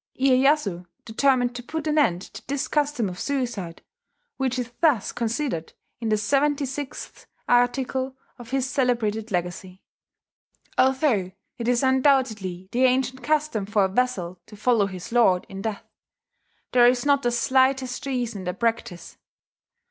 Iyeyasu determined to put an end to this custom of suicide, which is thus considered in the 76th article of his celebrated Legacy: "Although it is undoubtedly the ancient custom for a vassal to follow his Lord in death, there is not the slightest reason in the practice.